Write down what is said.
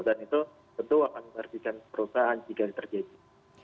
dan itu tentu akan menghargikan perusahaan jika terjadi